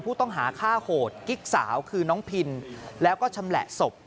ผู้ต้องหาฆ่าโหดกิ๊กสาวคือน้องพินแล้วก็ชำแหละศพ